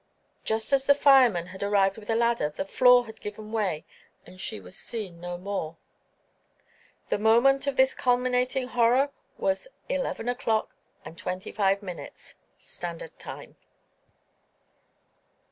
Just as the firemen had arrived with a ladder, the floor had given way, and she was seen no more. The moment of this culminating horror was eleven o'clock and twenty five minutes, standard time.